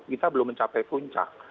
kita belum mencapai puncak